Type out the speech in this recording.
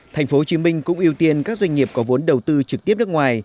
tp hcm cũng ưu tiên các doanh nghiệp có vốn đầu tư trực tiếp nước ngoài